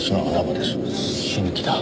死ぬ気だ。